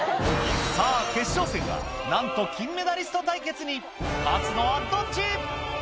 さぁ決勝戦はなんと金メダリスト対決に勝つのはどっち？